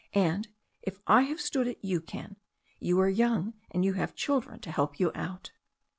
And if I have stood it you can. You are young, and you have children to help you out."